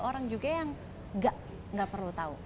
orang juga yang nggak perlu tahu